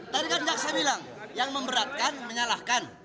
tadi kan jaksa bilang yang memberatkan menyalahkan